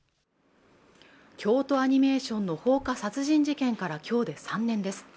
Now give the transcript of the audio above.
京都アニメーションの放火殺人事件から今日で３年です。